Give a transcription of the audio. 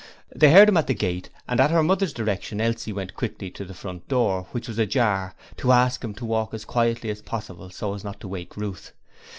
They heard him at the gate and at her mother's direction Elsie went quickly to the front door, which was ajar, to ask him to walk as quietly as possible so as not to wake Ruth.